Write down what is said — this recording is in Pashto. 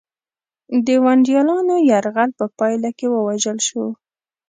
د ونډالیانو یرغل په پایله کې ووژل شو